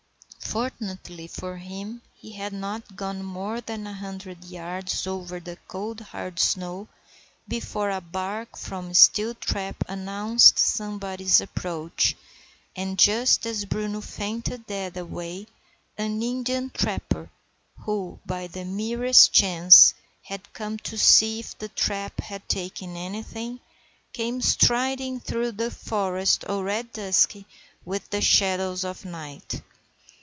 Fortunately for him he had not gone more than a hundred yards over the cold hard snow before a bark from Steeltrap announced somebody's approach, and, just as Bruno fainted dead away, an Indian trapper, who, by the merest chance, had come to see if the trap had taken anything, came striding through the forest already dusky with the shadows of night.